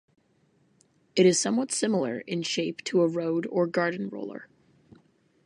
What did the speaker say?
It is somewhat similar in shape to a road or garden roller.